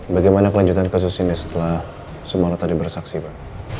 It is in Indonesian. bagaimana kelanjutan kasus ini setelah sumaro tadi bersaksi pak